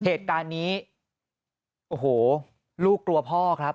เหตุการณ์นี้โอ้โหลูกกลัวพ่อครับ